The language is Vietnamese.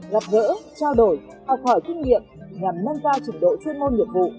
gặp gỡ trao đổi học hỏi kinh nghiệm nhằm nâng cao trình độ chuyên môn nghiệp vụ